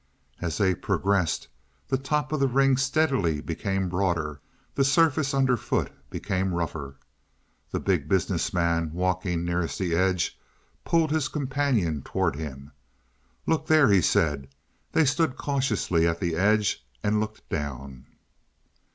As they progressed, the top of the ring steadily became broader; the surface underfoot became rougher. The Big Business Man, walking nearest the edge, pulled his companion towards him. "Look there!" he said. They stood cautiously at the edge and looked down.